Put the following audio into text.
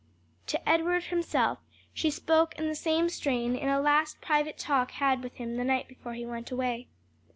To Edward himself she spoke in the same strain in a last private talk had with him the night before he went away.